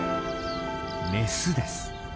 メスです。